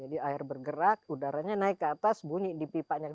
jadi air bergerak udaranya naik ke atas bunyi di pipanya